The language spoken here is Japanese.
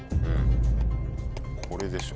これでしょ。